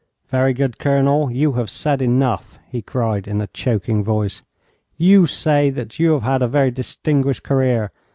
'Very good, Colonel. You have said enough,' he cried, in a choking voice. 'You say that you have had a very distinguished career.